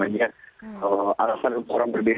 untuk orang berbeda